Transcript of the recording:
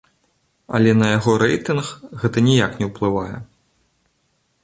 Але на яго рэйтынг гэта ніяк не ўплывае.